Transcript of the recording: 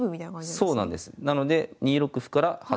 そうなんです。